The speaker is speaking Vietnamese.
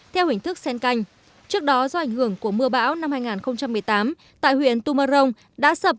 theo hình thức sen canh trước đó do ảnh hưởng của mưa bão năm hai nghìn một mươi tám tại huyện tumorong đã sập